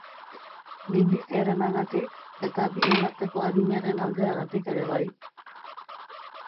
Minbiziarenagatik eta bien arteko adinaren aldeagatik ere bai.